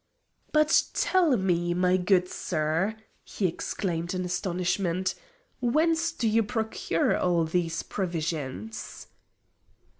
"But tell me, my good sir," he exclaimed in astonishment, "whence do you procure all these provisions?"